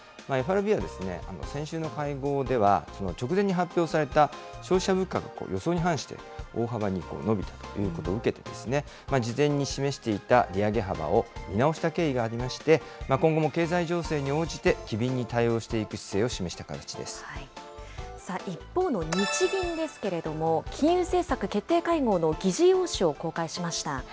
ＦＲＢは、先週の会合では、直前に発表された消費者物価が予想に反して大幅に伸びたということを受けて、事前に示していた利上げ幅を見直した経緯がありまして、今後も経済情勢に応じて、機敏に対応していく姿勢を示した形一方の日銀ですけれども、金融政策決定会合の議事要旨を公開しました。